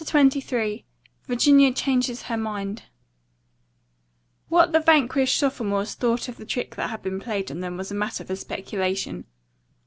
CHAPTER XXIII VIRGINIA CHANGES HER MIND What the vanquished sophomores thought of the trick that had been played on them was a matter for speculation.